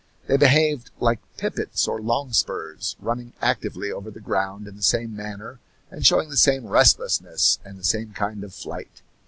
They behaved like pipits or longspurs, running actively over the ground in the same manner and showing the same restlessness and the same kind of flight.